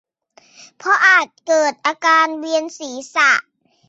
เพราะอาจเกิดอาการเวียนศีรษะ